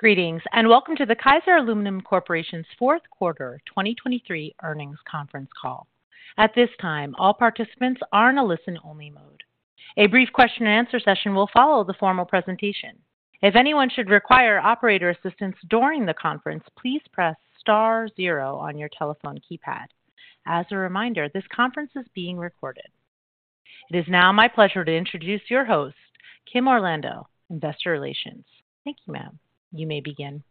Greetings, and welcome to the Kaiser Aluminum Corporation's fourth quarter, 2023 Earnings Conference Call. At this time, all participants are in a listen-only mode. A brief question-and-answer session will follow the formal presentation. If anyone should require operator assistance during the conference, please press star zero on your telephone keypad. As a reminder, this conference is being recorded. It is now my pleasure to introduce your host, Kim Orlando, Investor Relations. Thank you, ma'am. You may begin.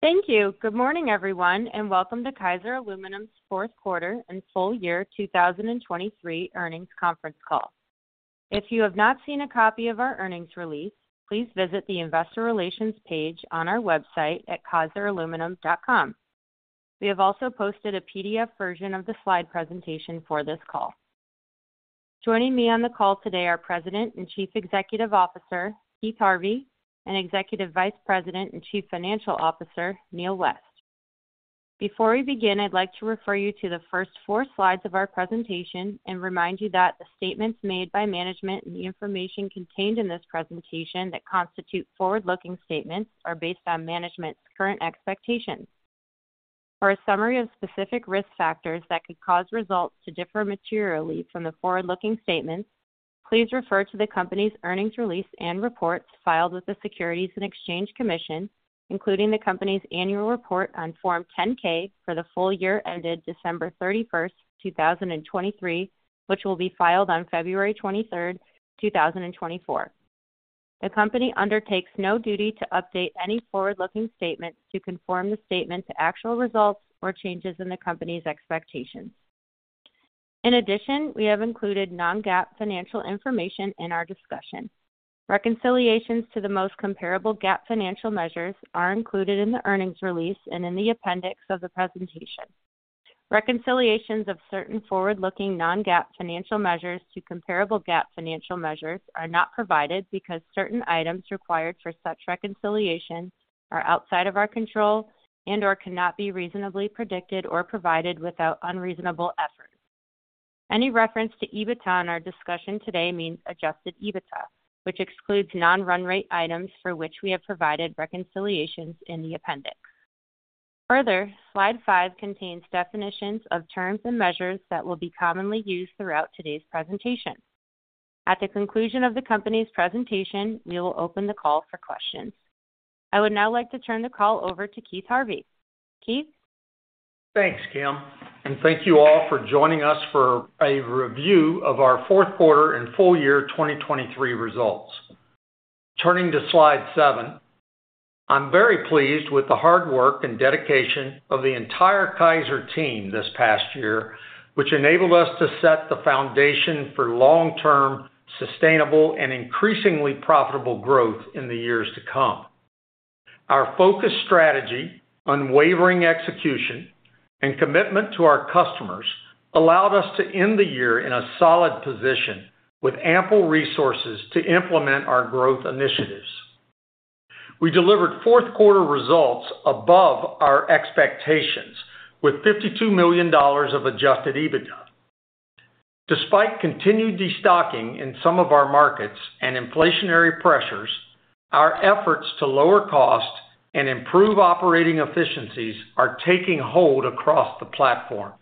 Thank you. Good morning, everyone, and welcome to Kaiser Aluminum's fourth quarter and full year 2023 earnings conference call. If you have not seen a copy of our earnings release, please visit the Investor Relations page on our website at kaiseraluminum.com. We have also posted a PDF version of the slide presentation for this call. Joining me on the call today are President and Chief Executive Officer, Keith Harvey, and Executive Vice President and Chief Financial Officer, Neal West. Before we begin, I'd like to refer you to the first four slides of our presentation and remind you that the statements made by management and the information contained in this presentation that constitute forward-looking statements are based on management's current expectations. For a summary of specific risk factors that could cause results to differ materially from the forward-looking statements, please refer to the company's earnings release and reports filed with the Securities and Exchange Commission, including the company's annual report on Form 10-K for the full year ended December 31, 2023, which will be filed on February 23, 2024. The company undertakes no duty to update any forward-looking statements to conform the statement to actual results or changes in the company's expectations. In addition, we have included non-GAAP financial information in our discussion. Reconciliations to the most comparable GAAP financial measures are included in the earnings release and in the appendix of the presentation. Reconciliations of certain forward-looking non-GAAP financial measures to comparable GAAP financial measures are not provided, because certain items required for such reconciliation are outside of our control and/or cannot be reasonably predicted or provided without unreasonable effort. Any reference to EBITDA in our discussion today means adjusted EBITDA, which excludes non-run rate items for which we have provided reconciliations in the appendix. Further, slide five contains definitions of terms and measures that will be commonly used throughout today's presentation. At the conclusion of the company's presentation, we will open the call for questions. I would now like to turn the call over to Keith Harvey. Keith? Thanks, Kim, and thank you all for joining us for a review of our fourth quarter and full year 2023 results. Turning to slide 7, I'm very pleased with the hard work and dedication of the entire Kaiser team this past year, which enabled us to set the foundation for long-term, sustainable, and increasingly profitable growth in the years to come. Our focused strategy, unwavering execution, and commitment to our customers allowed us to end the year in a solid position, with ample resources to implement our growth initiatives. We delivered fourth-quarter results above our expectations, with $52 million of adjusted EBITDA. Despite continued destocking in some of our markets and inflationary pressures, our efforts to lower costs and improve operating efficiencies are taking hold across the platform.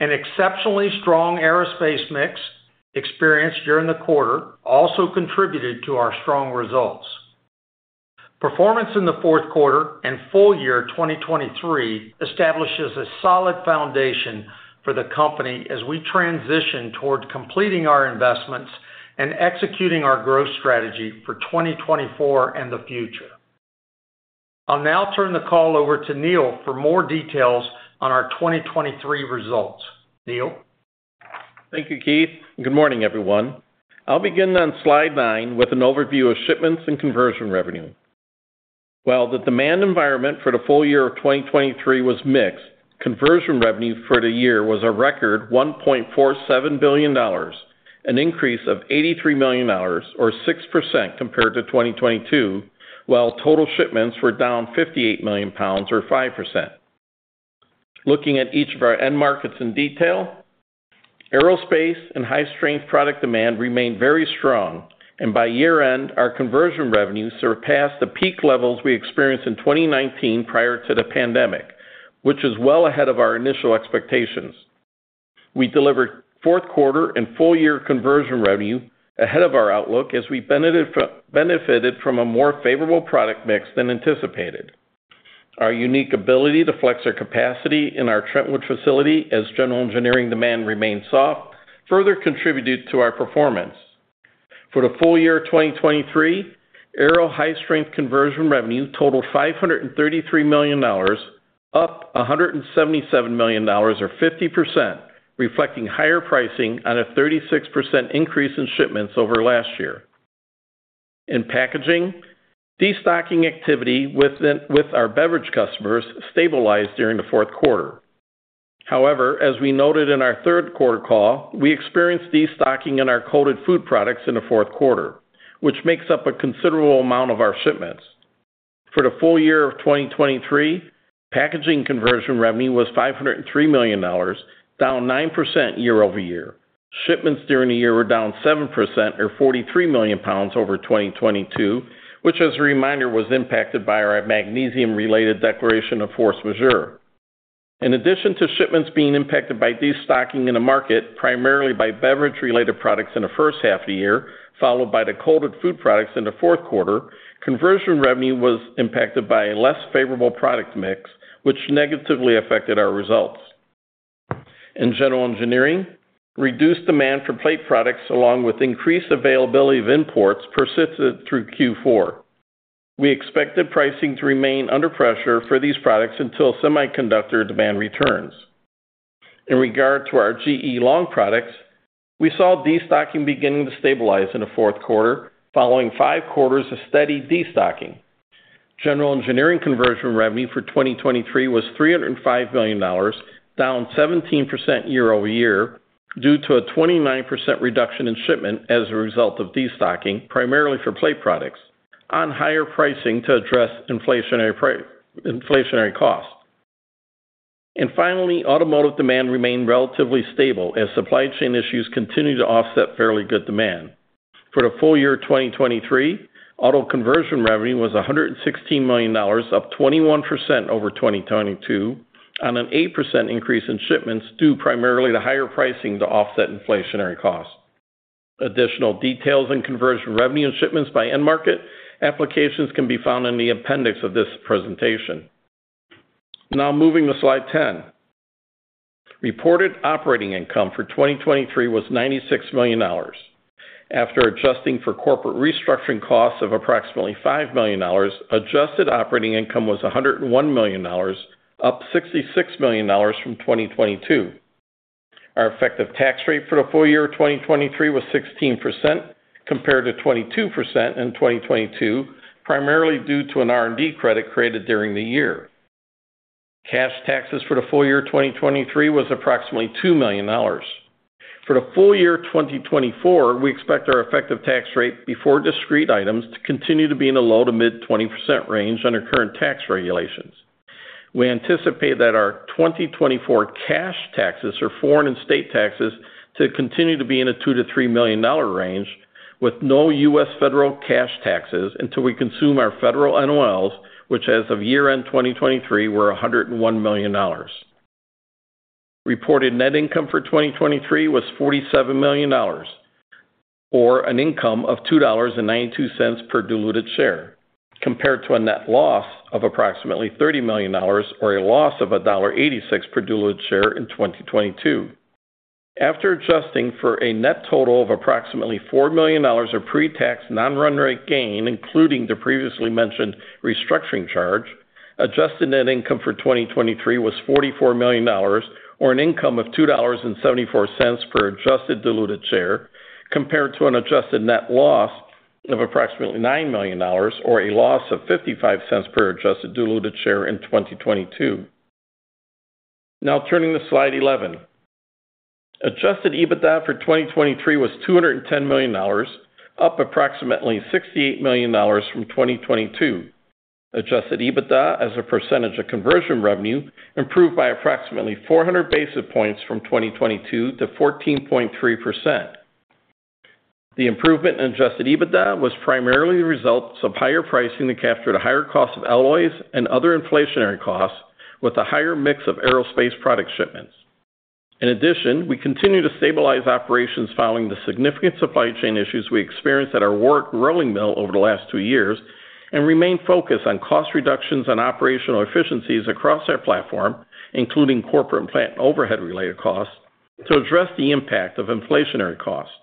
An exceptionally strong aerospace mix experienced during the quarter also contributed to our strong results. Performance in the fourth quarter and full year 2023 establishes a solid foundation for the company as we transition toward completing our investments and executing our growth strategy for 2024 and the future. I'll now turn the call over to Neil for more details on our 2023 results. Neil? Thank you, Keith, and good morning, everyone. I'll begin on slide 9 with an overview of shipments and conversion revenue. While the demand environment for the full year of 2023 was mixed, conversion revenue for the year was a record $1.47 billion, an increase of $83 million or 6% compared to 2022, while total shipments were down 58 million pounds, or 5%. Looking at each of our end markets in detail, aerospace and high-strength product demand remained very strong, and by year-end, our conversion revenues surpassed the peak levels we experienced in 2019 prior to the pandemic, which is well ahead of our initial expectations. We delivered fourth-quarter and full-year conversion revenue ahead of our outlook as we benefited from a more favorable product mix than anticipated. Our unique ability to flex our capacity in our Trentwood facility, as general engineering demand remained soft, further contributed to our performance. For the full year 2023, aero high-strength conversion revenue totaled $533 million, up $177 million or 50%, reflecting higher pricing on a 36% increase in shipments over last year. In packaging, destocking activity with our beverage customers stabilized during the fourth quarter. However, as we noted in our third-quarter call, we experienced destocking in our coated food products in the fourth quarter, which makes up a considerable amount of our shipments. For the full year of 2023, packaging conversion revenue was $503 million, down 9% year-over-year. Shipments during the year were down 7%, or 43 million pounds over 2022, which, as a reminder, was impacted by our magnesium-related declaration of Force Majeure. In addition to shipments being impacted by destocking in the market, primarily by beverage-related products in the first half of the year, followed by the coated food products in the fourth quarter, conversion revenue was impacted by a less favorable product mix, which negatively affected our results. In general engineering, reduced demand for plate products, along with increased availability of imports, persisted through Q4. We expected pricing to remain under pressure for these products until semiconductor demand returns. In regard to our GE long products, we saw destocking beginning to stabilize in the fourth quarter, following five quarters of steady destocking. General engineering conversion revenue for 2023 was $305 million, down 17% year-over-year, due to a 29% reduction in shipment as a result of destocking, primarily for plate products on higher pricing to address inflationary costs. And finally, automotive demand remained relatively stable as supply chain issues continued to offset fairly good demand. For the full year 2023, auto conversion revenue was $116 million, up 21% over 2022, on an 8% increase in shipments, due primarily to higher pricing to offset inflationary costs. Additional details and conversion revenue and shipments by end market applications can be found in the appendix of this presentation. Now moving to slide 10. Reported operating income for 2023 was $96 million. After adjusting for corporate restructuring costs of approximately $5 million, adjusted operating income was $101 million, up $66 million from 2022. Our effective tax rate for the full year of 2023 was 16%, compared to 22% in 2022, primarily due to an R&D credit created during the year. Cash taxes for the full year 2023 was approximately $2 million. For the full year 2024, we expect our effective tax rate before discrete items to continue to be in the low-to-mid 20% range under current tax regulations. We anticipate that our 2024 cash taxes, or foreign and state taxes, to continue to be in a $2-$3 million range, with no US federal cash taxes until we consume our federal NOLs, which, as of year-end 2023, were $101 million. Reported net income for 2023 was $47 million, or an income of $2.92 per diluted share, compared to a net loss of approximately $30 million, or a loss of $1.86 per diluted share in 2022. After adjusting for a net total of approximately $4 million of pretax non-run rate gain, including the previously mentioned restructuring charge, adjusted net income for 2023 was $44 million, or an income of $2.74 per adjusted diluted share, compared to an adjusted net loss of approximately $9 million, or a loss of $0.55 per adjusted diluted share in 2022. Now turning to slide 11. Adjusted EBITDA for 2023 was $210 million, up approximately $68 million from 2022. Adjusted EBITDA as a percentage of conversion revenue improved by approximately 400 basis points from 2022 to 14.3%. The improvement in adjusted EBITDA was primarily the result of higher pricing to capture the higher cost of alloys and other inflationary costs with a higher mix of aerospace product shipments. In addition, we continue to stabilize operations following the significant supply chain issues we experienced at our Warrick Rolling Mill over the last two years, and remain focused on cost reductions and operational efficiencies across our platform, including corporate and plant overhead-related costs, to address the impact of inflationary costs.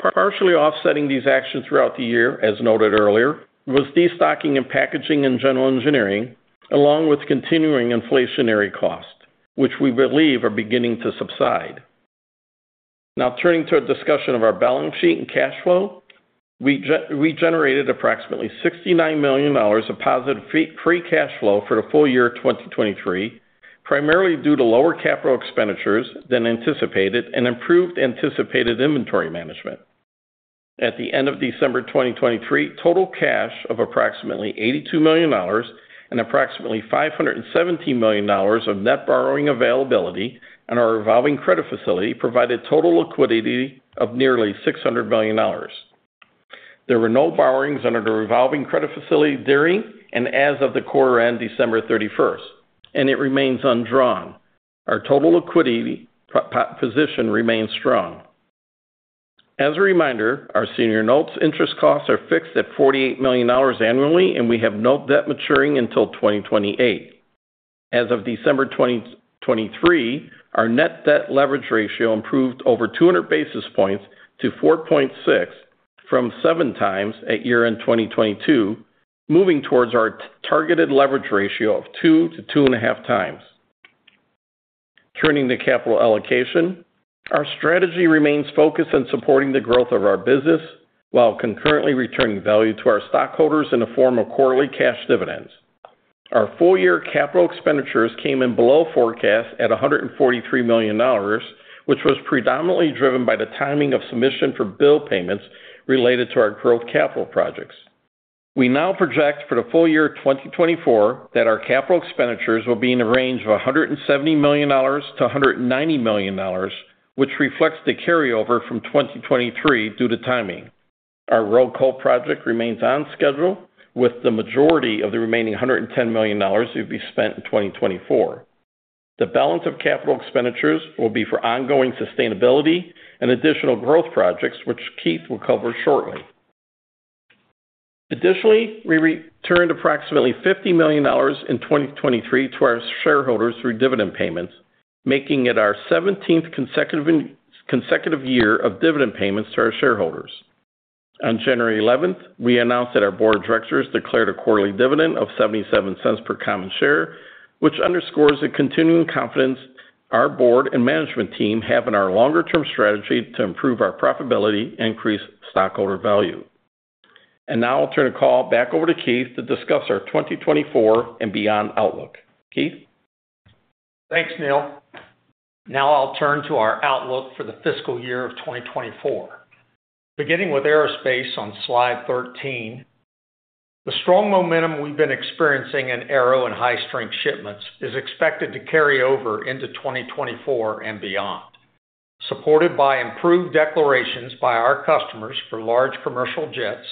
Partially offsetting these actions throughout the year, as noted earlier, was destocking and packaging in general engineering, along with continuing inflationary costs, which we believe are beginning to subside. Now turning to a discussion of our balance sheet and cash flow. We generated approximately $69 million of positive free cash flow for the full year 2023, primarily due to lower capital expenditures than anticipated and improved anticipated inventory management. At the end of December 2023, total cash of approximately $82 million and approximately $517 million of net borrowing availability on our revolving credit facility provided total liquidity of nearly $600 million. There were no borrowings under the revolving credit facility during and as of the quarter end, December 31, and it remains undrawn. Our total liquidity position remains strong. As a reminder, our senior notes interest costs are fixed at $48 million annually, and we have no debt maturing until 2028. As of December 2023, our net debt leverage ratio improved over 200 basis points to four point six from seven times at year end 2022, moving towards our targeted leverage ratio of 2-2.5 times. Turning to capital allocation. Our strategy remains focused on supporting the growth of our business while concurrently returning value to our stockholders in the form of quarterly cash dividends. Our full year capital expenditures came in below forecast at $143 million, which was predominantly driven by the timing of submission for bill payments related to our growth capital projects. We now project for the full year 2024, that our capital expenditures will be in the range of $170 million-$190 million, which reflects the carryover from 2023 due to timing. Our Roll Coat project remains on schedule, with the majority of the remaining $110 million to be spent in 2024. The balance of capital expenditures will be for ongoing sustainability and additional growth projects, which Keith will cover shortly. Additionally, we returned approximately $50 million in 2023 to our shareholders through dividend payments, making it our 17th consecutive year of dividend payments to our shareholders. On January 11, we announced that our board of directors declared a quarterly dividend of $0.77 per common share, which underscores the continuing confidence our board and management team have in our longer-term strategy to improve our profitability and increase stockholder value. Now I'll turn the call back over to Keith to discuss our 2024 and beyond outlook. Keith? Thanks, Neal. Now I'll turn to our outlook for the fiscal year of 2024. Beginning with aerospace on slide 13. The strong momentum we've been experiencing in aero and high-strength shipments is expected to carry over into 2024 and beyond, supported by improved declarations by our customers for large commercial jets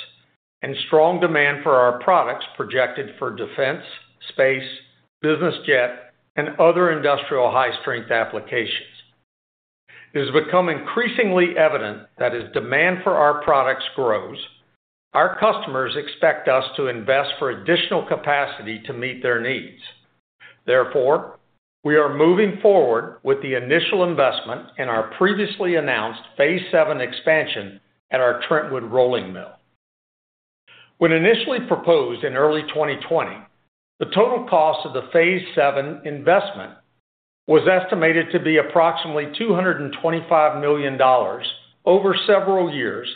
and strong demand for our products projected for defense, space, business jet, and other industrial high-strength applications. It has become increasingly evident that as demand for our products grows, our customers expect us to invest for additional capacity to meet their needs. Therefore, we are moving forward with the initial investment in our previously announced Phase VII expansion at our Trentwood Rolling Mill. When initially proposed in early 2020, the total cost of the Phase VII investment was estimated to be approximately $225 million over several years,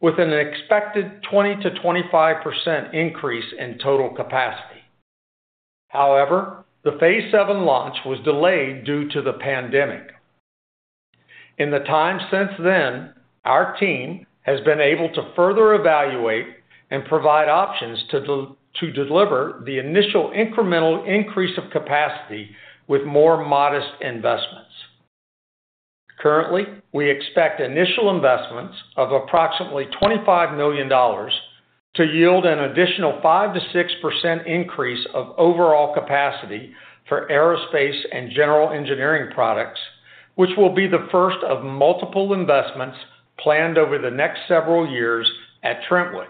with an expected 20%-25% increase in total capacity. However, the Phase VII launch was delayed due to the pandemic. In the time since then, our team has been able to further evaluate and provide options to to deliver the initial incremental increase of capacity with more modest investments. Currently, we expect initial investments of approximately $25 million to yield an additional 5%-6% increase of overall capacity for aerospace and general engineering products, which will be the first of multiple investments planned over the next several years at Trentwood.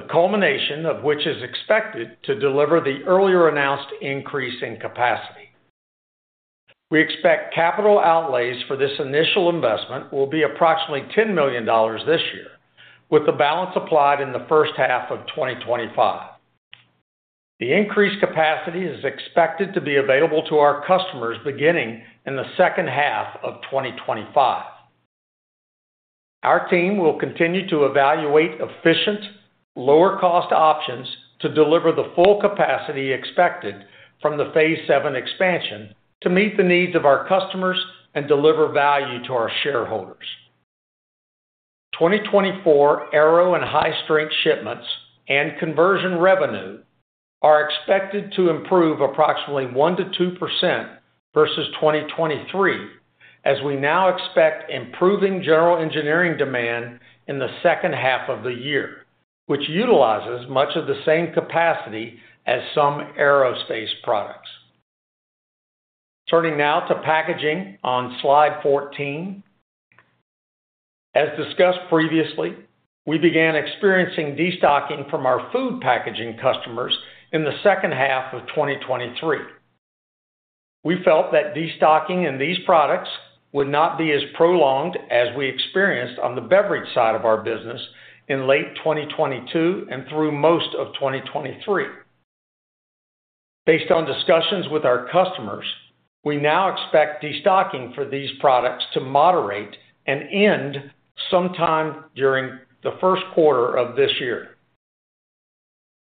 The culmination of which is expected to deliver the earlier announced increase in capacity. We expect capital outlays for this initial investment will be approximately $10 million this year, with the balance applied in the first half of 2025. The increased capacity is expected to be available to our customers beginning in the second half of 2025. Our team will continue to evaluate efficient, lower-cost options to deliver the full capacity expected from the Phase VII expansion to meet the needs of our customers and deliver value to our shareholders. 2024 aero and high-strength shipments and conversion revenue are expected to improve approximately 1%-2% versus 2023, as we now expect improving general engineering demand in the second half of the year, which utilizes much of the same capacity as some aerospace products. Turning now to packaging on slide 14. As discussed previously, we began experiencing destocking from our food packaging customers in the second half of 2023. We felt that destocking in these products would not be as prolonged as we experienced on the beverage side of our business in late 2022 and through most of 2023. Based on discussions with our customers, we now expect destocking for these products to moderate and end sometime during the first quarter of this year.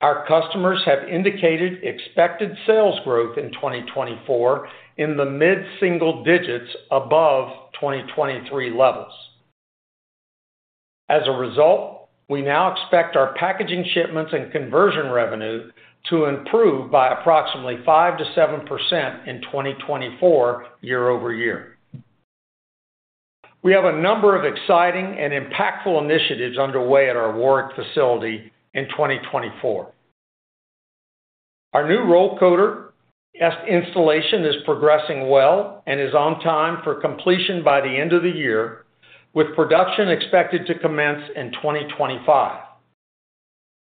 Our customers have indicated expected sales growth in 2024 in the mid-single digits above 2023 levels. As a result, we now expect our packaging shipments and conversion revenue to improve by approximately 5%-7% in 2024 year-over-year. We have a number of exciting and impactful initiatives underway at our Warrick facility in 2024. Our new Roll Coat installation is progressing well and is on time for completion by the end of the year, with production expected to commence in 2025.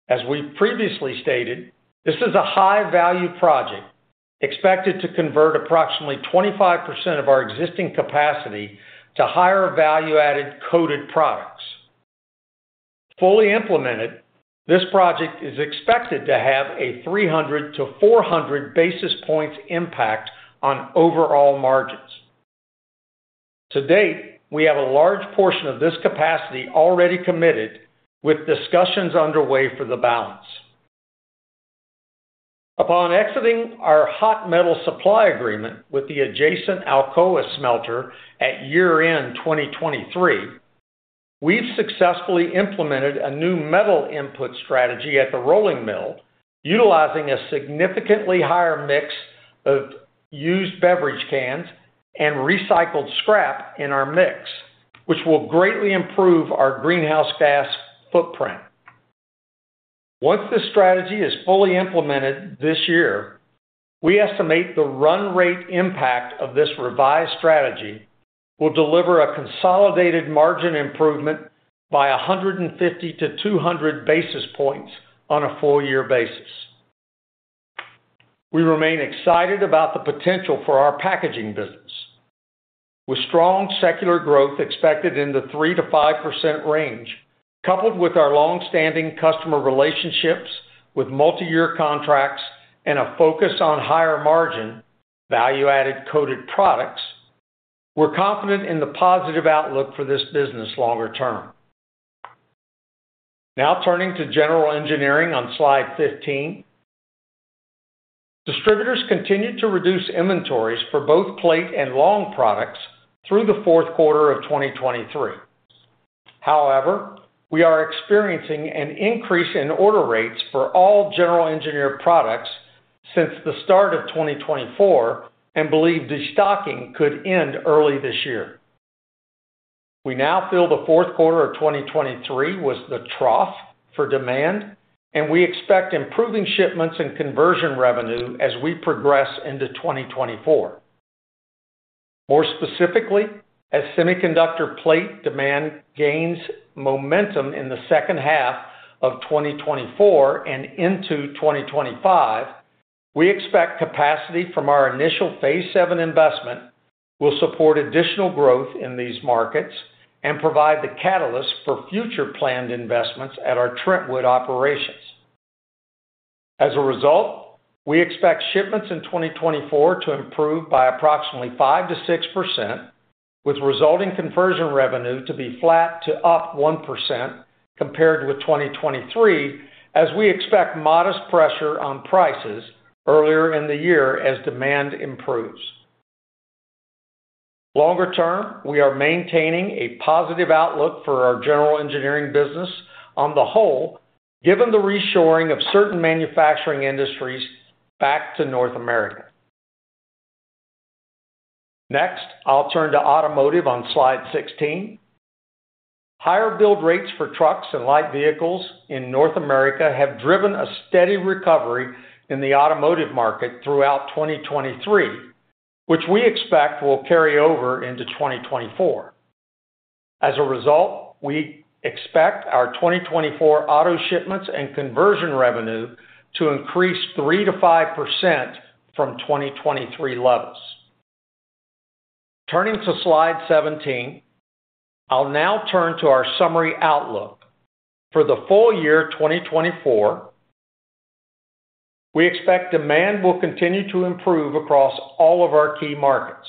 As we previously stated, this is a high-value project expected to convert approximately 25% of our existing capacity to higher value-added coated products. Fully implemented, this project is expected to have a 300 basis points-400 basis points impact on overall margins. To date, we have a large portion of this capacity already committed, with discussions underway for the balance. Upon exiting our hot metal supply agreement with the adjacent Alcoa smelter at year-end 2023, we've successfully implemented a new metal input strategy at the rolling mill, utilizing a significantly higher mix of used beverage cans and recycled scrap in our mix, which will greatly improve our greenhouse gas footprint. Once this strategy is fully implemented this year, we estimate the run rate impact of this revised strategy will deliver a consolidated margin improvement by 150 basis points-200 basis points on a full year basis. We remain excited about the potential for our packaging business. With strong secular growth expected in the 3%-5% range, coupled with our long-standing customer relationships with multiyear contracts and a focus on higher margin, value-added coated products, we're confident in the positive outlook for this business longer term. Now turning to general engineering on slide 15. Distributors continued to reduce inventories for both plate and long products through the fourth quarter of 2023. However, we are experiencing an increase in order rates for all general engineering products since the start of 2024 and believe destocking could end early this year. We now feel the fourth quarter of 2023 was the trough for demand, and we expect improving shipments and conversion revenue as we progress into 2024. More specifically, as semiconductor plate demand gains momentum in the second half of 2024 and into 2025, we expect capacity from our initial Phase VII investment will support additional growth in these markets and provide the catalyst for future planned investments at our Trentwood operations. As a result, we expect shipments in 2024 to improve by approximately 5%-6%, with resulting conversion revenue to be flat to up 1% compared with 2023, as we expect modest pressure on prices earlier in the year as demand improves. Longer term, we are maintaining a positive outlook for our general engineering business on the whole, given the reshoring of certain manufacturing industries back to North America. Next, I'll turn to automotive on slide 16. Higher build rates for trucks and light vehicles in North America have driven a steady recovery in the automotive market throughout 2023, which we expect will carry over into 2024. As a result, we expect our 2024 auto shipments and conversion revenue to increase 3%-5% from 2023 levels. Turning to slide 17, I'll now turn to our summary outlook. For the full year 2024, we expect demand will continue to improve across all of our key markets.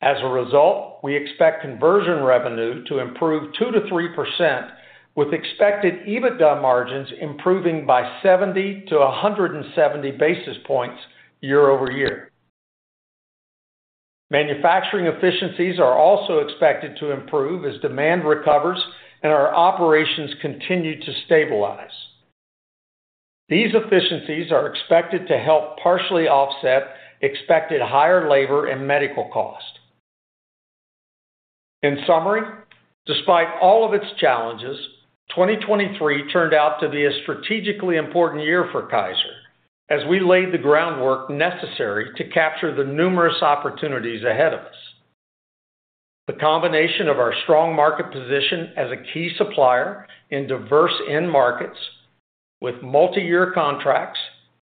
As a result, we expect conversion revenue to improve 2%-3%, with expected EBITDA margins improving by 70-170 basis points year-over-year. Manufacturing efficiencies are also expected to improve as demand recovers and our operations continue to stabilize. These efficiencies are expected to help partially offset expected higher labor and medical costs. In summary, despite all of its challenges, 2023 turned out to be a strategically important year for Kaiser, as we laid the groundwork necessary to capture the numerous opportunities ahead of us. The combination of our strong market position as a key supplier in diverse end markets with multiyear contracts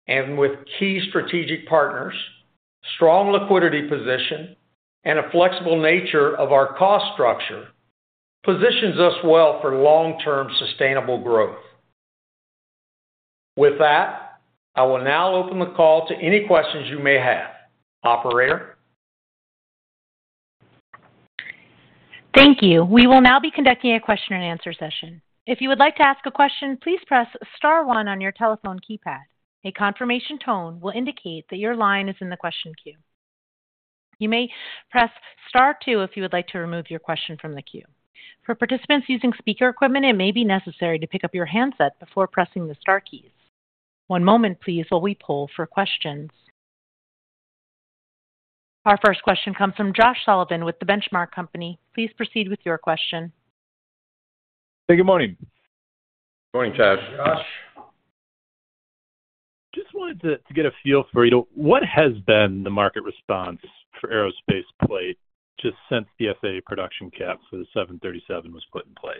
and with key strategic partners, strong liquidity position, and a flexible nature of our cost structure, positions us well for long-term sustainable growth. With that, I will now open the call to any questions you may have. Operator? Thank you. We will now be conducting a question-and-answer session. If you would like to ask a question, please press star one on your telephone keypad. A confirmation tone will indicate that your line is in the question queue. You may press star two if you would like to remove your question from the queue. For participants using speaker equipment, it may be necessary to pick up your handset before pressing the star keys. One moment, please, while we poll for questions. Our first question comes from Josh Sullivan with The Benchmark Company. Please proceed with your question. Hey, good morning. Good morning, Josh. Josh. Just wanted to get a feel for, you know, what has been the market response for aerospace plate just since the FAA production cap for the 737 was put in place?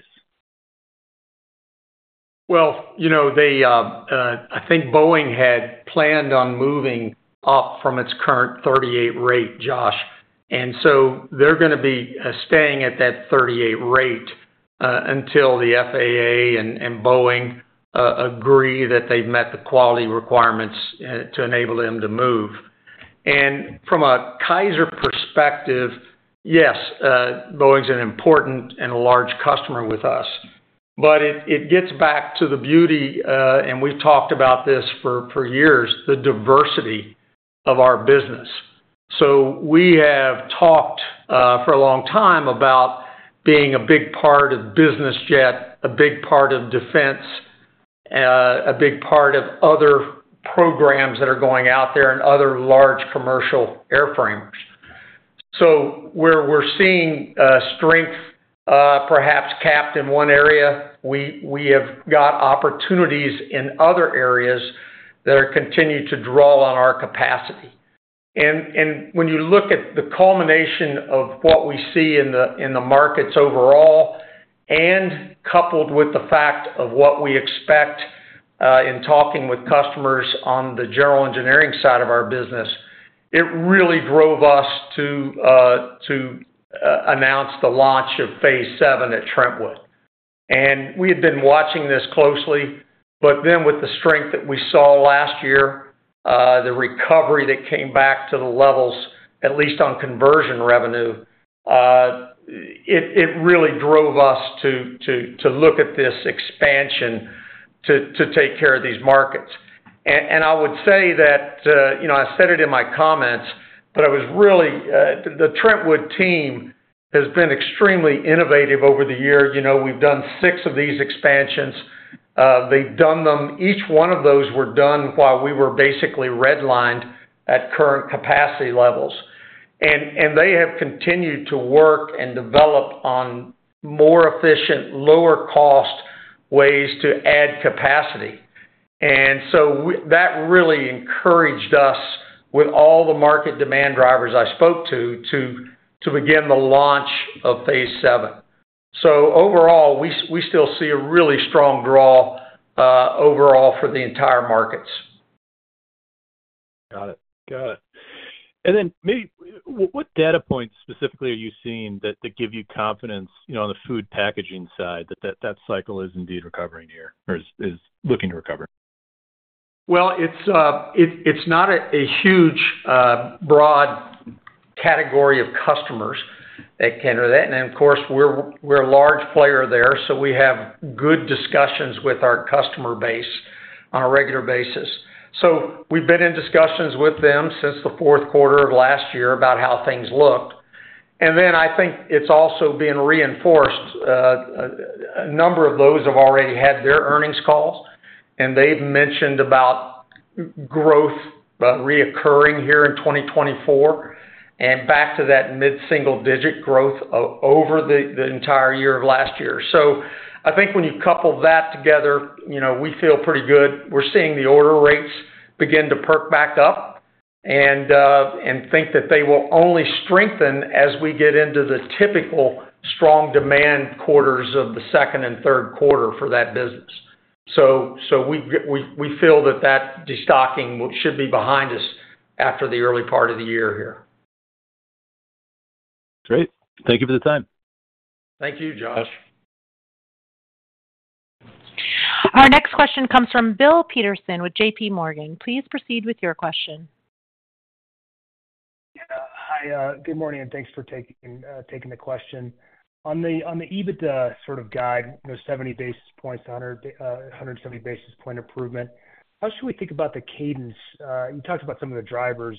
Well, you know, they, I think Boeing had planned on moving up from its current 38 rate, Josh, and so they're gonna be staying at that 38 rate until the FAA and Boeing agree that they've met the quality requirements to enable them to move. And from a Kaiser perspective, yes, Boeing's an important and a large customer with us, but it gets back to the beauty and we've talked about this for years, the diversity of our business. So we have talked for a long time about being a big part of business jet, a big part of defense, a big part of other programs that are going out there and other large commercial airframes. So where we're seeing strength, perhaps, capped in one area, we have got opportunities in other areas that are continued to draw on our capacity. When you look at the culmination of what we see in the markets overall, and coupled with the fact of what we expect in talking with customers on the general engineering side of our business, it really drove us to announce the launch of Phase VII at Trentwood. We had been watching this closely, but then with the strength that we saw last year, the recovery that came back to the levels, at least on conversion revenue, it really drove us to look at this expansion to take care of these markets. I would say that, you know, I said it in my comments, but I was really, the Trentwood team has been extremely innovative over the years. You know, we've done six of these expansions. They've done them—each one of those were done while we were basically redlined at current capacity levels. And they have continued to work and develop on more efficient, lower cost ways to add capacity. And so that really encouraged us with all the market demand drivers I spoke to, to begin the launch of phase seven. So overall, we still see a really strong draw, overall for the entire markets. Got it. Got it. And then what data points specifically are you seeing that give you confidence, you know, on the food packaging side, that cycle is indeed recovering here or is looking to recover? Well, it's not a huge broad category of customers that can do that. And then, of course, we're a large player there, so we have good discussions with our customer base on a regular basis. So we've been in discussions with them since the fourth quarter of last year about how things looked. And then I think it's also being reinforced. A number of those have already had their earnings calls, and they've mentioned about growth recurring here in 2024, and back to that mid-single digit growth over the entire year of last year. So I think when you couple that together, you know, we feel pretty good. We're seeing the order rates begin to perk back up and, and think that they will only strengthen as we get into the typical strong demand quarters of the second and third quarter for that business. So, so we we, we feel that that destocking should be behind us after the early part of the year here. Great. Thank you for the time. Thank you, Josh. Our next question comes from Bill Peterson with JPMorgan. Please proceed with your question. Yeah. Hi, good morning, and thanks for taking the question. On the EBITDA sort of guide, you know, 70 basis points-170 basis point improvement, how should we think about the cadence? You talked about some of the drivers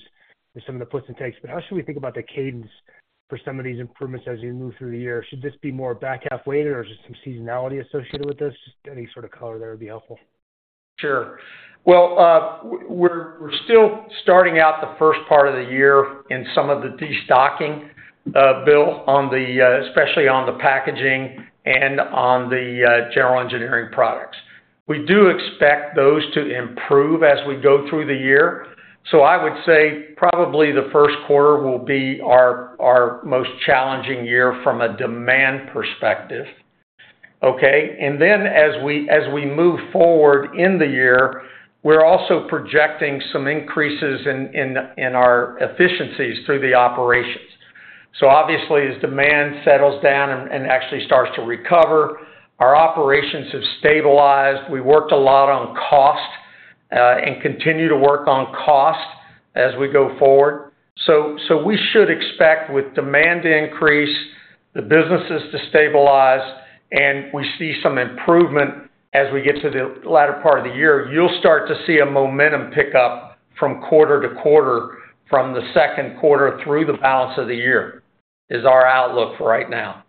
and some of the puts and takes, but how should we think about the cadence for some of these improvements as you move through the year? Should this be more back half weighted, or is there some seasonality associated with this? Just any sort of color there would be helpful. Sure. Well, we're still starting out the first part of the year in some of the destocking, Bill, on the especially on the packaging and on the general engineering products. We do expect those to improve as we go through the year. So I would say probably the first quarter will be our most challenging year from a demand perspective, okay? And then, as we move forward in the year, we're also projecting some increases in our efficiencies through the operations. So obviously, as demand settles down and actually starts to recover, our operations have stabilized. We worked a lot on cost, and continue to work on cost as we go forward. So, we should expect, with demand to increase, the businesses to stabilize, and we see some improvement as we get to the latter part of the year. You'll start to see a momentum pick up from quarter to quarter, from the second quarter through the balance of the year, is our outlook right now.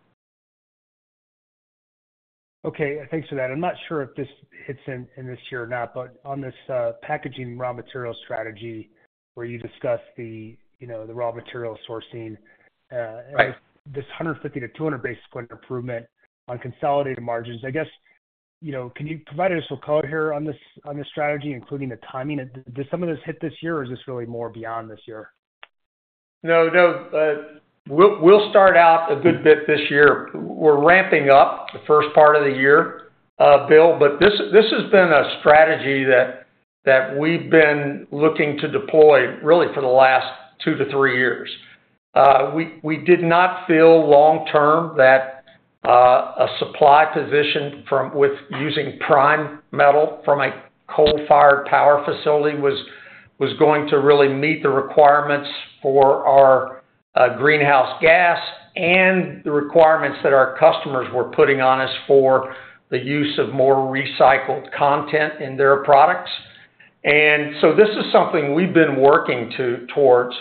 Okay, thanks for that. I'm not sure if this hits in this year or not, but on this packaging raw material strategy, where you discussed the, you know, the raw material sourcing. Right. This 150 basis point-200 basis point improvement on consolidated margins, I guess, you know, can you provide us with color here on this, on this strategy, including the timing? Did some of this hit this year, or is this really more beyond this year? No, no, we'll, we'll start out a good bit this year. We're ramping up the first part of the year, Bill, but this, this has been a strategy that we've been looking to deploy really for the last two to three years. We did not feel long term that a supply position from, with using prime metal from a coal-fired power facility was going to really meet the requirements for our greenhouse gas and the requirements that our customers were putting on us for the use of more recycled content in their products. And so this is something we've been working towards.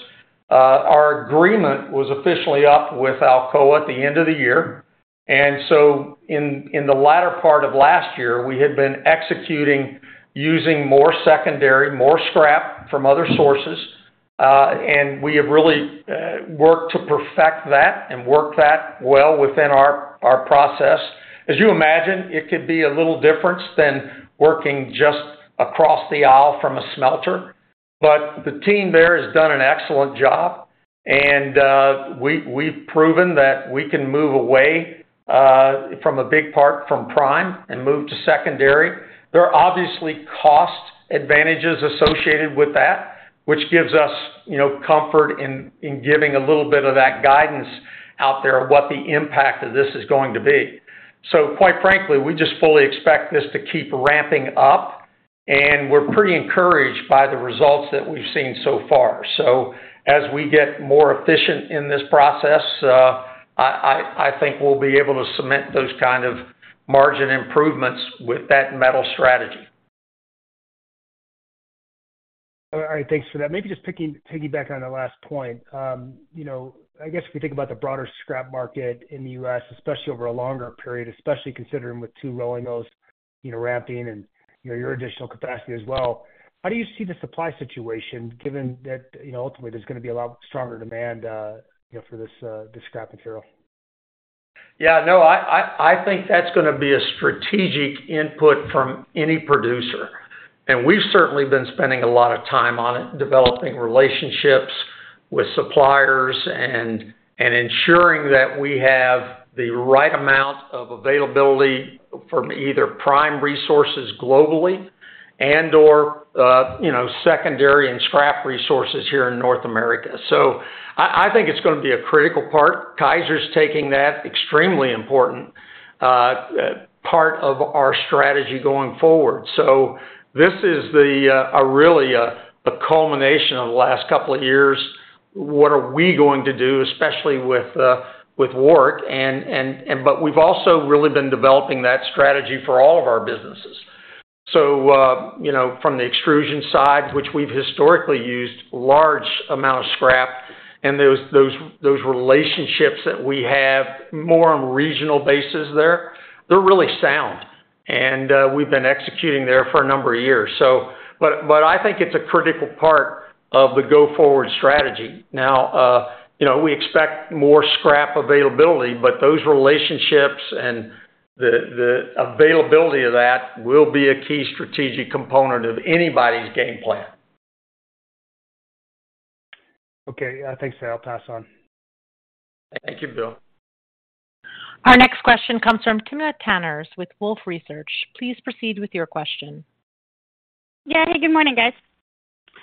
Our agreement was officially up with Alcoa at the end of the year, and so in the latter part of last year, we had been executing, using more secondary, more scrap from other sources, and we have really worked to perfect that and work that well within our process. As you imagine, it could be a little different than working just across the aisle from a smelter. But the team there has done an excellent job, and we, we've proven that we can move away from a big part from prime and move to secondary. There are obviously cost advantages associated with that, which gives us, you know, comfort in giving a little bit of that guidance out there of what the impact of this is going to be. So quite frankly, we just fully expect this to keep ramping up, and we're pretty encouraged by the results that we've seen so far. So as we get more efficient in this process, I think we'll be able to cement those kind of margin improvements with that metal strategy. All right. Thanks for that. Maybe just piggyback on the last point. You know, I guess if you think about the broader scrap market in the U.S., especially over a longer period, especially considering with two rolling mills, you know, ramping and, you know, your additional capacity as well, how do you see the supply situation, given that, you know, ultimately there's gonna be a lot stronger demand, you know, for this, this scrap material? Yeah, no, I think that's gonna be a strategic input from any producer, and we've certainly been spending a lot of time on it, developing relationships with suppliers and ensuring that we have the right amount of availability from either prime resources globally and/or, you know, secondary and scrap resources here in North America. So I think it's gonna be a critical part. Kaiser's taking that extremely important part of our strategy going forward. So this is really a culmination of the last couple of years. What are we going to do, especially with Warrick, and but we've also really been developing that strategy for all of our businesses. So, you know, from the extrusion side, which we've historically used large amount of scrap, and those relationships that we have more on regional bases there, they're really sound, and we've been executing there for a number of years. So, but I think it's a critical part of the go-forward strategy. Now, you know, we expect more scrap availability, but those relationships and the availability of that will be a key strategic component of anybody's game plan. Okay, thanks, Sir. I'll pass on. Thank you, Bill. Our next question comes from Timna Tanners with Wolfe Research. Please proceed with your question. Yeah. Hey, good morning, guys.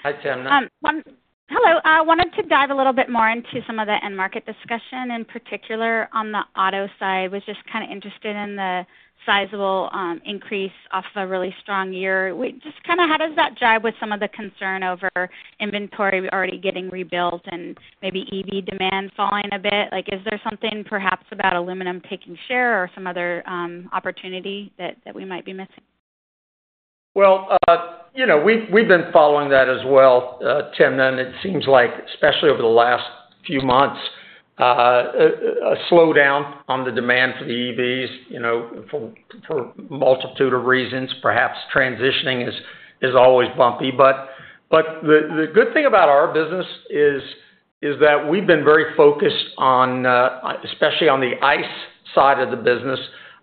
Hi, Timna. Wanted to dive a little bit more into some of the end market discussion, in particular on the auto side. Was just kind of interested in the sizable increase off a really strong year. Just kind of how does that jive with some of the concern over inventory already getting rebuilt and maybe EV demand falling a bit? Like, is there something perhaps about aluminum taking share or some other opportunity that we might be missing? Well, you know, we've been following that as well, Timna, and it seems like, especially over the last few months, a slowdown on the demand for the EVs, you know, for a multitude of reasons. Perhaps transitioning is always bumpy. But the good thing about our business is that we've been very focused on, especially on the ICE side of the business,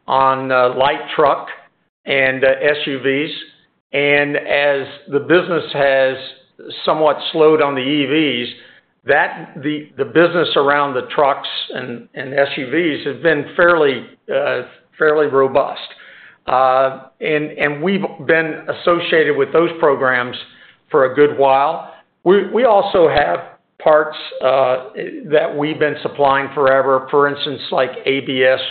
on light truck and SUVs. And as the business has somewhat slowed on the EVs, that the business around the trucks and SUVs have been fairly robust. And we've been associated with those programs for a good while. We also have parts that we've been supplying forever, for instance, like ABS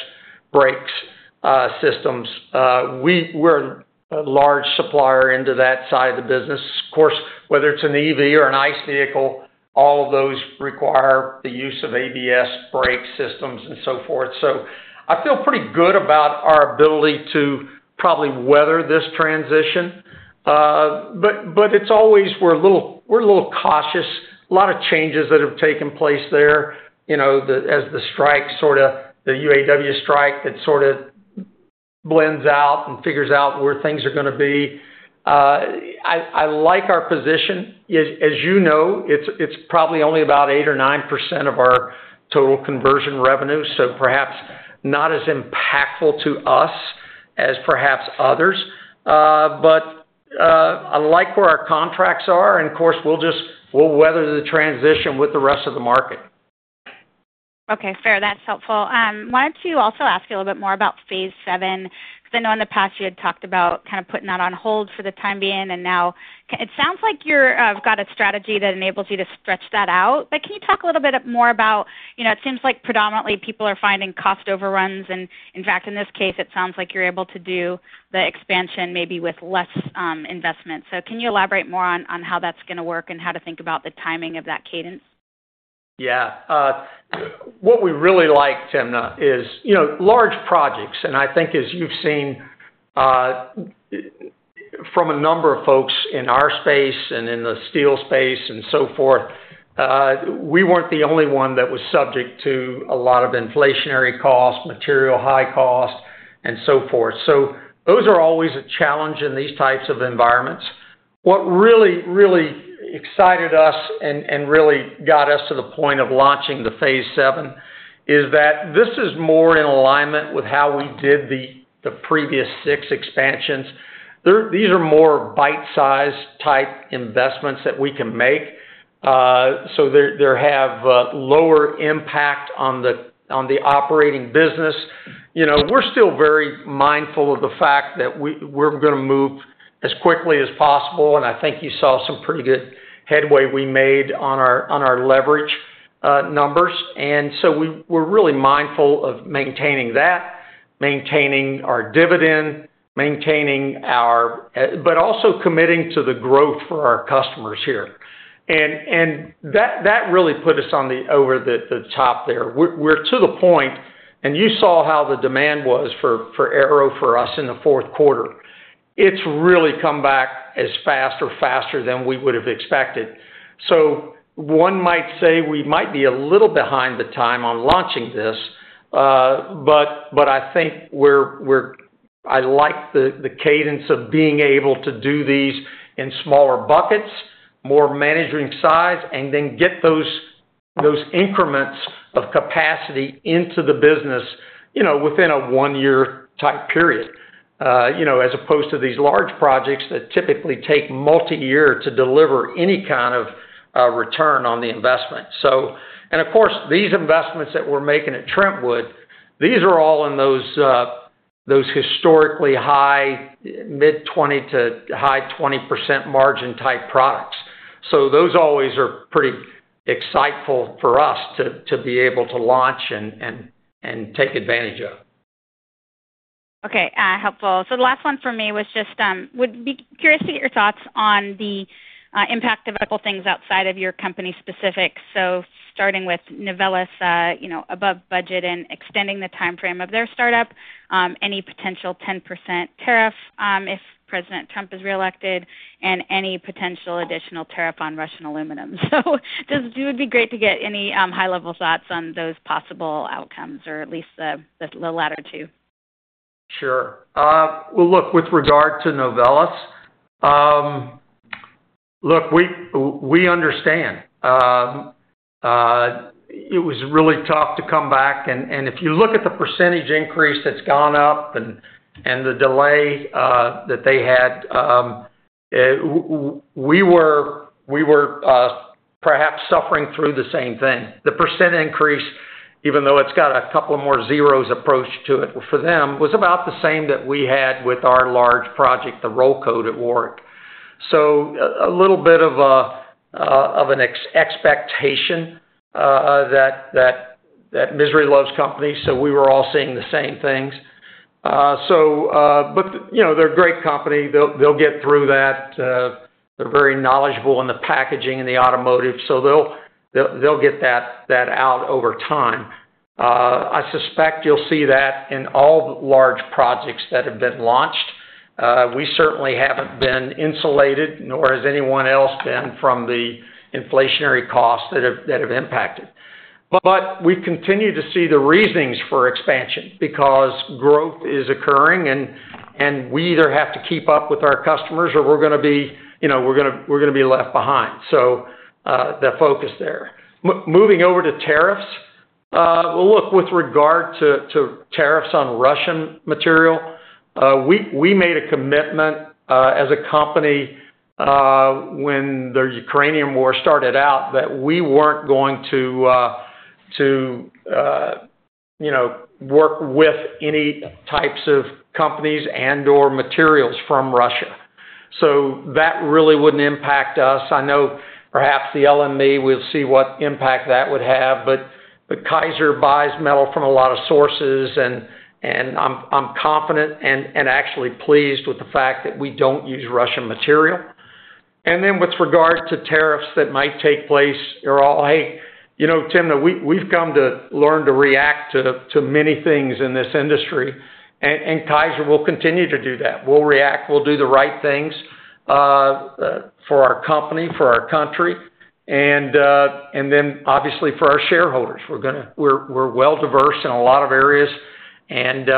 brakes systems. We're a large supplier into that side of the business. Of course, whether it's an EV or an ICE vehicle, all of those require the use of ABS brake systems and so forth. So I feel pretty good about our ability to probably weather this transition. But it's always we're a little cautious. A lot of changes that have taken place there, you know, as the strike sort of, the UAW strike, that sort of blends out and figures out where things are gonna be. I like our position. As you know, it's probably only about 8% or 9% of our total conversion revenue, so perhaps not as impactful to us as perhaps others. But I like where our contracts are, and of course, we'll just weather the transition with the rest of the market. Okay, fair. That's helpful. Wanted to also ask you a little bit more about Phase VII, because I know in the past, you had talked about kind of putting that on hold for the time being, and now, it sounds like you're got a strategy that enables you to stretch that out. But can you talk a little bit more about, you know, it seems like predominantly people are finding cost overruns, and in fact, in this case, it sounds like you're able to do the expansion maybe with less investment. So can you elaborate more on, on how that's gonna work and how to think about the timing of that cadence? Yeah. What we really like, Timna, is, you know, large projects, and I think as you've seen, from a number of folks in our space and in the steel space and so forth, we weren't the only one that was subject to a lot of inflationary costs, material high costs, and so forth. So those are always a challenge in these types of environments. What really, really excited us and, and really got us to the point of launching the Phase VII is that this is more in alignment with how we did the, the previous six expansions. These are more bite-sized type investments that we can make, so they, they have, lower impact on the, on the operating business. You know, we're still very mindful of the fact that we're gonna move as quickly as possible, and I think you saw some pretty good headway we made on our leverage numbers. And so we're really mindful of maintaining that, maintaining our dividend, but also committing to the growth for our customers here. And that really put us over the top there. We're to the point, and you saw how the demand was for aero for us in the fourth quarter. It's really come back as fast or faster than we would've expected. So one might say we might be a little behind the time on launching this, but I think I like the cadence of being able to do these in smaller buckets, more managing size, and then get those increments of capacity into the business, you know, within a one-year type period, you know, as opposed to these large projects that typically take multiyear to deliver any kind of return on the investment. So... And, of course, these investments that we're making at Trentwood, these are all in those historically high, mid-20%-high 20% margin-type products. So those always are pretty exciting for us to be able to launch and take advantage of. Okay, helpful. So the last one for me was just, would be curious to get your thoughts on the, impact of a couple things outside of your company specific. So starting with Novelis, you know, above budget and extending the timeframe of their startup, any potential 10% tariff, if President Trump is re-elected, and any potential additional tariff on Russian aluminum. So just it would be great to get any, high-level thoughts on those possible outcomes, or at least the latter two? Sure. Well, look, with regard to Novelis, look, we understand. It was really tough to come back, and if you look at the percentage increase that's gone up and the delay that they had, we were perhaps suffering through the same thing. The percent increase, even though it's got a couple more zeros approach to it for them, was about the same that we had with our large project, the Roll Coat at Warrick. So a little bit of a of an expectation that misery loves company, so we were all seeing the same things. So, but, you know, they're a great company. They'll get through that. They're very knowledgeable in the packaging and the automotive, so they'll get that out over time. I suspect you'll see that in all the large projects that have been launched. We certainly haven't been insulated, nor has anyone else been from the inflationary costs that have impacted. But we continue to see the reasons for expansion, because growth is occurring, and we either have to keep up with our customers or we're gonna be, you know, we're gonna be left behind. So, the focus there. Moving over to tariffs, well, look, with regard to tariffs on Russian material, we made a commitment as a company, when the Ukrainian war started out, that we weren't going to, you know, work with any types of companies and/or materials from Russia. So that really wouldn't impact us. I know perhaps the LME, we'll see what impact that would have, but Kaiser buys metal from a lot of sources, and I'm confident and actually pleased with the fact that we don't use Russian material. And then with regards to tariffs that might take place, they're all, "Hey," you know, Timna, we've come to learn to react to many things in this industry, and Kaiser will continue to do that. We'll react. We'll do the right things for our company, for our country, and then, obviously, for our shareholders. We're gonna, we're well diversified in a lot of areas, and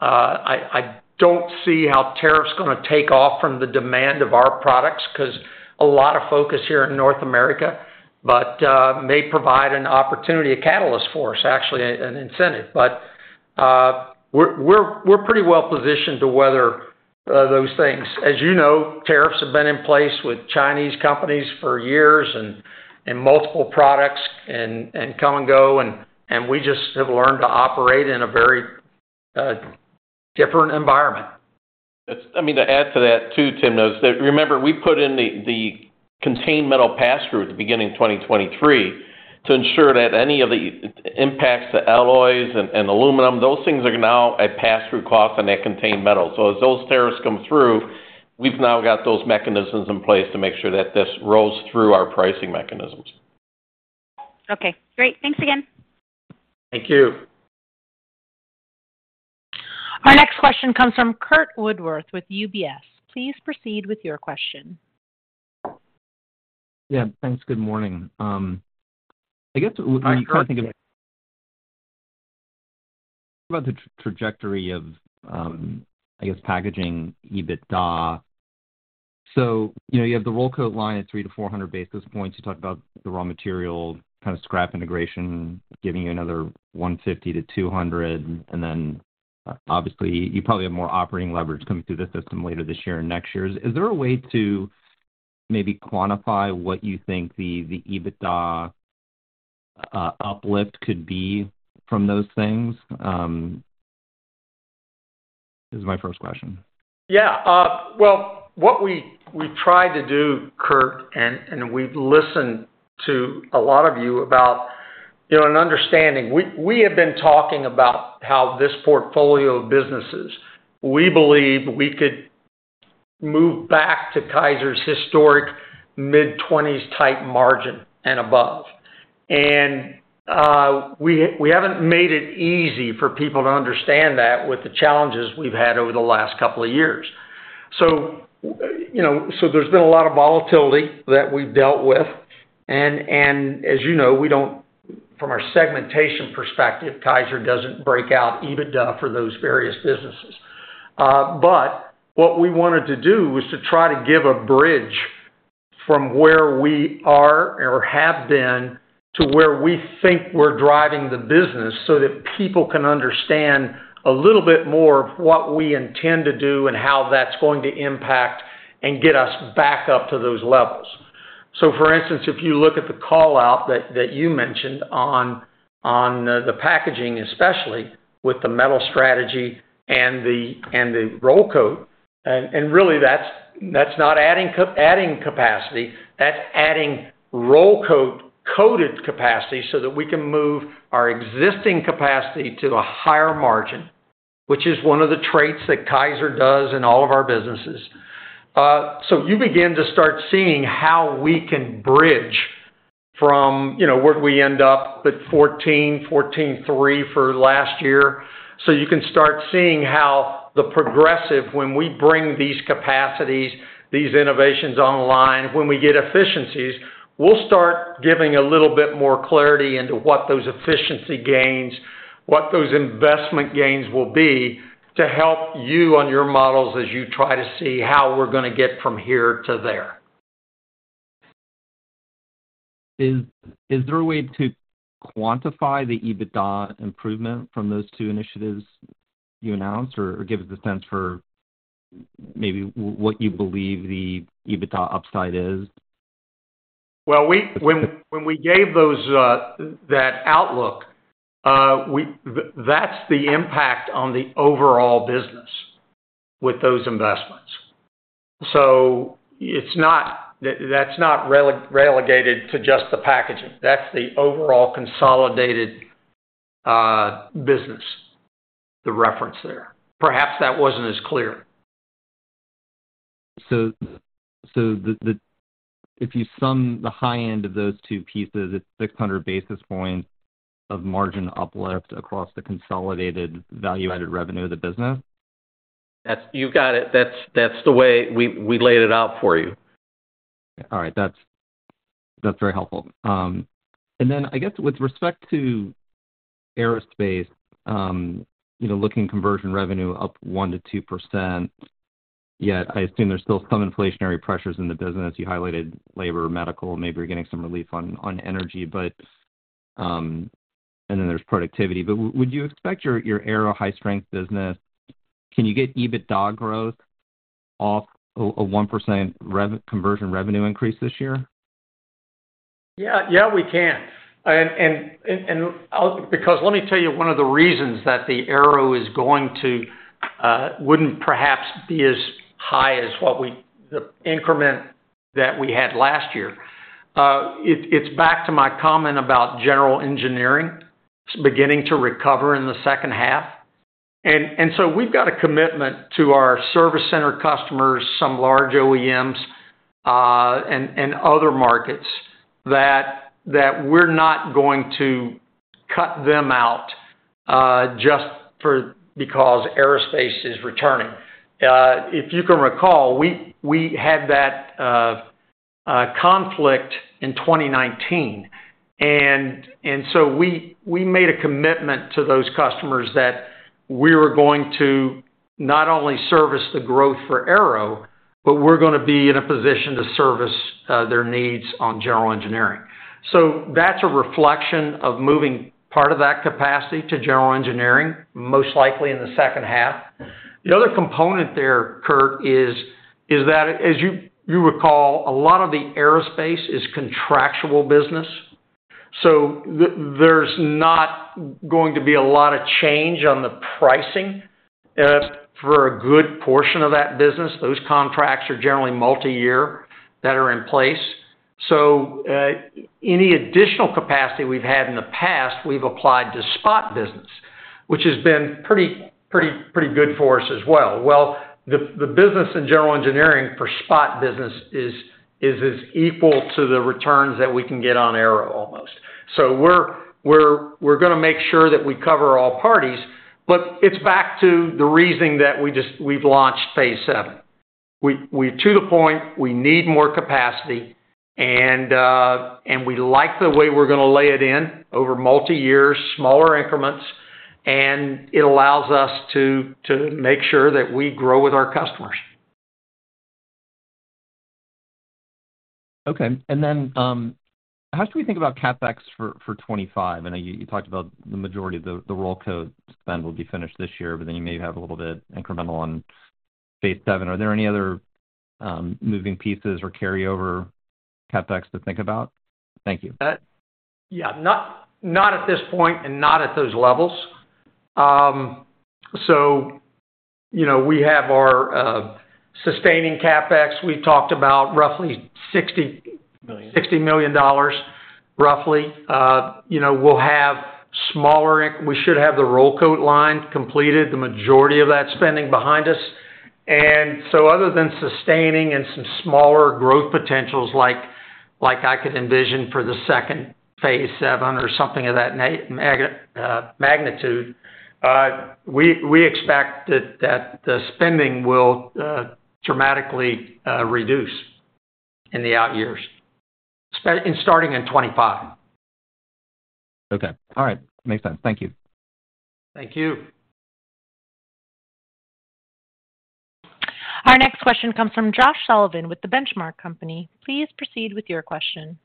I don't see how tariffs gonna take off from the demand of our products, 'cause a lot of focus here in North America, but may provide an opportunity, a catalyst for us, actually, an incentive. But we're pretty well positioned to weather those things. As you know, tariffs have been in place with Chinese companies for years and multiple products and come and go, and we just have learned to operate in a very different environment. I mean, to add to that too, Timna, is that remember, we put in the, the contained metal pass-through at the beginning of 2023 to ensure that any of the impacts to alloys and, and aluminum, those things are now at pass-through costs, and they contain metal. So as those tariffs come through, we've now got those mechanisms in place to make sure that this rolls through our pricing mechanisms. Okay, great. Thanks again. Thank you. Our next question comes from Curt Woodworth with UBS. Please proceed with your question. Yeah, thanks. Good morning. I guess when you kind of think about the trajectory of, I guess, packaging EBITDA. So, you know, you have the Roll Coat line at 300-400 basis points. You talked about the raw material, kind of scrap integration, giving you another 150-200, and then obviously, you probably have more operating leverage coming through the system later this year and next year. Is there a way to maybe quantify what you think the, the EBITDA uplift could be from those things? This is my first question. Yeah. Well, what we tried to do, Curt, and we've listened to a lot of you about, you know, and understanding. We have been talking about how this portfolio of businesses, we believe we could move back to Kaiser's historic mid-20s type margin and above. And we haven't made it easy for people to understand that with the challenges we've had over the last couple of years. So, you know, so there's been a lot of volatility that we've dealt with, and as you know, we don't, from our segmentation perspective, Kaiser doesn't break out EBITDA for those various businesses. But what we wanted to do was to try to give a bridge from where we are or have been to where we think we're driving the business, so that people can understand a little bit more of what we intend to do and how that's going to impact and get us back up to those levels. So for instance, if you look at the call-out that you mentioned on the packaging, especially with the metal strategy and the Roll Coat, and really, that's not adding capacity, that's adding roll coat-coated capacity so that we can move our existing capacity to a higher margin, which is one of the traits that Kaiser does in all of our businesses. You begin to start seeing how we can bridge from, you know, where we end up at 14, 14.3 for last year. You can start seeing how the progressive, when we bring these capacities, these innovations online, when we get efficiencies, we'll start giving a little bit more clarity into what those efficiency gains, what those investment gains will be to help you on your models as you try to see how we're gonna get from here to there. Is there a way to quantify the EBITDA improvement from those two initiatives you announced, or give us a sense for maybe what you believe the EBITDA upside is? Well, when we gave those, that outlook, that's the impact on the overall business with those investments. So it's not-- that's not relegated to just the packaging. That's the overall consolidated, business, the reference there. Perhaps that wasn't as clear. If you sum the high end of those two pieces, it's 600 basis points of margin uplift across the consolidated value-added revenue of the business? That's, you got it. That's the way we laid it out for you. All right. That's, that's very helpful. And then I guess with respect to aerospace, you know, looking conversion revenue up 1%-2%, yet I assume there's still some inflationary pressures in the business. You highlighted labor, medical, maybe you're getting some relief on, on energy, but, and then there's productivity. But would you expect your, your aero high strength business, can you get EBITDA growth off a, a 1% conversion revenue increase this year? Yeah, yeah, we can. And I'll, because let me tell you, one of the reasons that the aero is going to, wouldn't perhaps be as high as what we, the increment that we had last year. It, it's back to my comment about general engineering. It's beginning to recover in the second half. And so we've got a commitment to our service center customers, some large OEMs, and other markets, that we're not going to cut them out, just for, because aerospace is returning. If you can recall, we had that conflict in 2019, and so we made a commitment to those customers that we were going to not only service the growth for aero... but we're gonna be in a position to service, their needs on general engineering. So that's a reflection of moving part of that capacity to general engineering, most likely in the second half. The other component there, Curt, is that, as you recall, a lot of the aerospace is contractual business, so there's not going to be a lot of change on the pricing for a good portion of that business. Those contracts are generally multiyear that are in place. So, any additional capacity we've had in the past, we've applied to spot business, which has been pretty, pretty, pretty good for us as well. Well, the business in general engineering for spot business is equal to the returns that we can get on aero almost. So we're gonna make sure that we cover all parties, but it's back to the reasoning that we just—we've launched Phase VII. We're to the point, we need more capacity, and we like the way we're gonna lay it in over multiyear, smaller increments, and it allows us to make sure that we grow with our customers. Okay. And then, how should we think about CapEx for 2025? I know you talked about the majority of the Roll Coat spend will be finished this year, but then you may have a little bit incremental on Phase VII. Are there any other moving pieces or carryover CapEx to think about? Thank you. Yeah, not, not at this point, and not at those levels. So, you know, we have our sustaining CapEx. We talked about roughly 60- Million. $60 million, roughly. You know, we'll have smaller. We should have the Roll Coat line completed, the majority of that spending behind us. And so other than sustaining and some smaller growth potentials, like, like I could envision for the second Phase VII or something of that nature, magnitude, we expect that the spending will dramatically reduce in the out years, and starting in 2025. Okay. All right. Makes sense. Thank you. Thank you. Our next question comes from Josh Sullivan with The Benchmark Company. Please proceed with your question.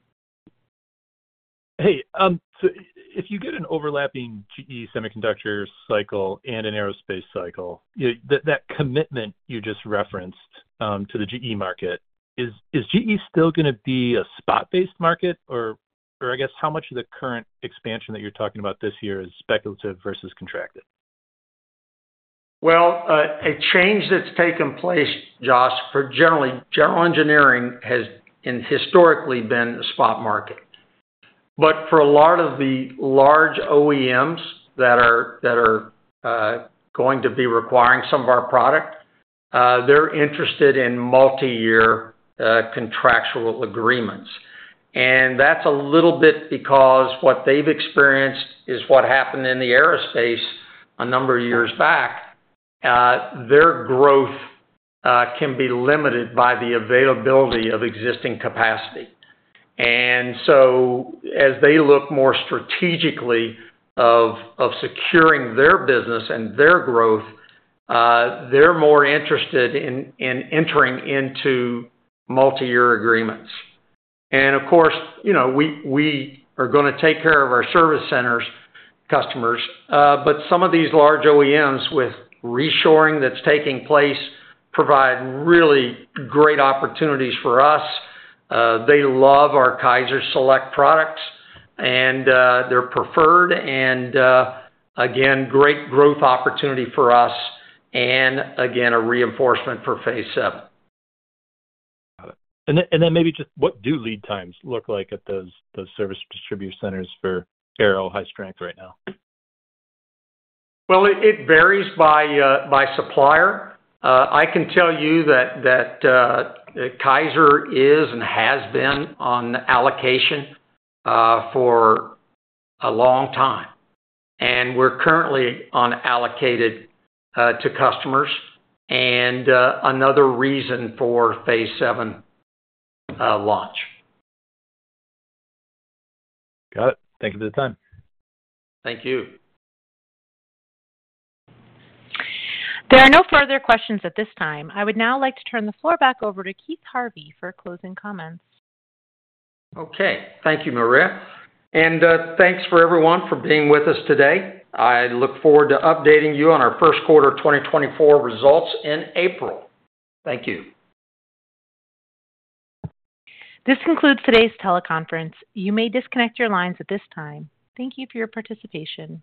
Hey, so if you get an overlapping GE semiconductor cycle and an aerospace cycle, that commitment you just referenced to the GE market, is GE still gonna be a spot-based market, or I guess, how much of the current expansion that you're talking about this year is speculative versus contracted? Well, a change that's taken place, Josh, for general engineering has historically been a spot market. But for a lot of the large OEMs that are going to be requiring some of our product, they're interested in multiyear contractual agreements. And that's a little bit because what they've experienced is what happened in the aerospace a number of years back. Their growth can be limited by the availability of existing capacity. And so as they look more strategically of securing their business and their growth, they're more interested in entering into multiyear agreements. And of course, you know, we are gonna take care of our service centers customers, but some of these large OEMs with reshoring that's taking place provide really great opportunities for us. They love our KaiserSelect products, and they're preferred, and again, great growth opportunity for us, and again, a reinforcement for Phase VII. Got it. And then maybe just what do lead times look like at those service distribution centers for aero high strength right now? Well, it varies by supplier. I can tell you that Kaiser is and has been on allocation for a long time, and we're currently unallocated to customers, and another reason for Phase VII launch. Got it. Thank you for the time. Thank you. There are no further questions at this time. I would now like to turn the floor back over to Keith Harvey for closing comments. Okay. Thank you, Maria, and thanks for everyone for being with us today. I look forward to updating you on our first quarter 2024 results in April. Thank you. This concludes today's teleconference. You may disconnect your lines at this time. Thank you for your participation.